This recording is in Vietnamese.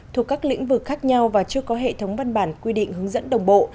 thuộc các lĩnh vực khác nhau và chưa có hệ thống văn bản quy định hướng dẫn đồng bộ